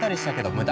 無駄